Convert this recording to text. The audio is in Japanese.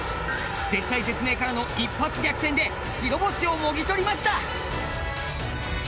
絶体絶命からの一発逆転で白星をもぎ取りました。